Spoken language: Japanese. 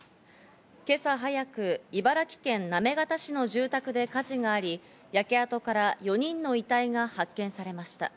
今朝早く、茨城県行方市の住宅で火事があり、焼け跡から４人の遺体が発見されました。